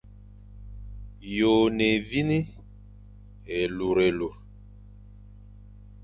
Yô e ne évîne, élurélur.